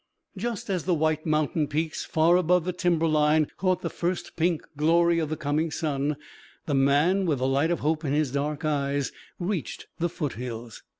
Just as the white mountain peaks, far above the timber line, caught the first pink glory of the coming sun, the man with the light of hope in his dark eyes, reached the foothills.